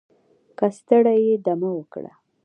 که ستړی یې دمه وکړه